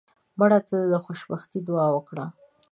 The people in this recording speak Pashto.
مړه ته د خوشبختۍ دعا وکړه